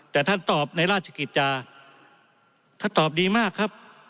แต่ท่านตอบในราชกิจจาท่านตอบดีมากครับ